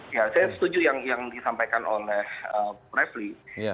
saya setuju yang disampaikan oleh presli